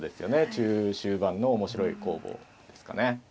中終盤の面白い攻防ですかね。